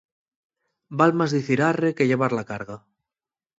Val más dicir «arre» que llevar la carga.